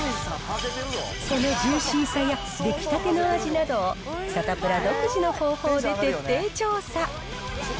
そのジューシーさや出来たての味などをサタプラ独自の方法で徹底調査。